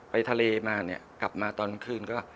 ไปทะเลมากลับมาตอนคืนก็